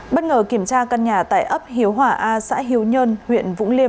bất ngờ kiểm tra căn nhà tại ấp hiếu hỏa a xã hiếu nhân huyện vũng liêm